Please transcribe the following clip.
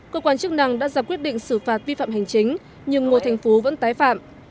cơ quan chức năng đã ra quyết định xử phạt vi phạm hành chính nhưng ngô thành phú vẫn tái phạm